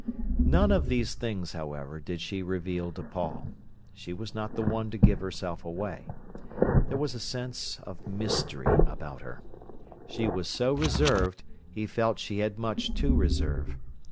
None of these things, however, did she reveal to Paul. She was not the one to give herself away. There was a sense of mystery about her. She was so reserved, he felt she had much to reserve.